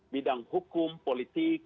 bidang hukum politik